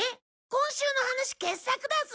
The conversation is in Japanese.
今週の話傑作だぞ！